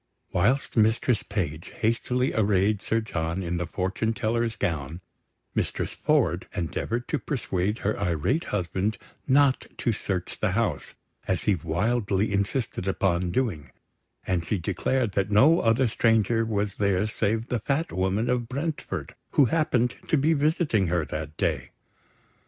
Whilst Mistress Page hastily arrayed Sir John in the fortune teller's gown, Mistress Ford endeavoured to persuade her irate husband not to search the house, as he wildly insisted upon doing; and she declared that no other stranger was there save the Fat Woman of Brentford, who happened to be visiting her that day.